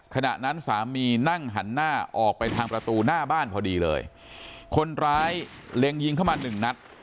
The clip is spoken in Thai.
ขณะนั้นสามีนั่งหันหน้าออกไปทางประตูหน้าบ้านพอดีเลยคนร้ายเล็งยิงเข้ามาหนึ่งนัด